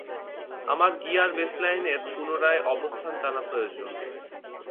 আমার gear baseline এর, পুনরায় অবস্থান জানা প্রয়োজন।